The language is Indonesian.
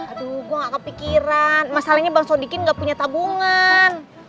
aduh gue gak kepikiran masalahnya bang sodikin nggak punya tabungan